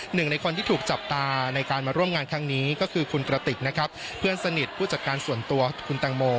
หนึ่งในคนที่ถูกจับตาในการมาร่วมงานครั้งนี้ก็คือคุณกระติกนะครับเพื่อนสนิทผู้จัดการส่วนตัวคุณแตงโม